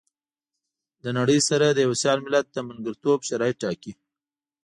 له نړۍ سره د يوه سيال ملت د ملګرتوب شرايط ټاکي.